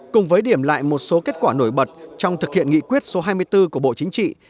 cùng với điểm lại một số kết quả nổi bật trong thực hiện nghị quyết số hai mươi bốn của bộ chính trị